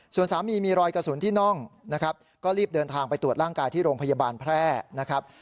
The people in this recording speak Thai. ส่วนสามีมีรอยกระสุนที่น่องนะครับก็รีบเดินทางไปตรวจร่างกายที่โรงพยาบาลแพร่นะครับ